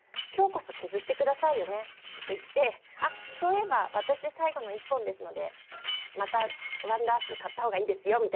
今日こそ削ってくださいよね」と言って「あっそういえば私で最後の一本ですのでまた１ダース買ったほうがいいですよ」